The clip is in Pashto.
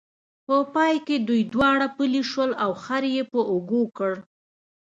په پای کې دوی دواړه پلي شول او خر یې په اوږو کړ.